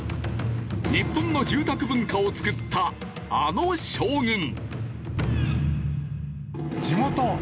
日本の住宅文化を創ったあの将軍。